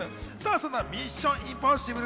そんな『ミッション：インポッシブル』